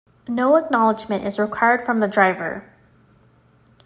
No acknowledgement is required from the driver.